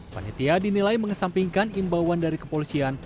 panitia dinilai mengesampingkan imbauan dari kepolisian